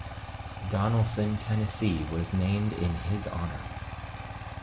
Donelson, Tennessee was named in his honor.